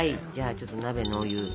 じゃあちょっと鍋のお湯。